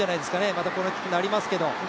またコーナーキックになりますけど。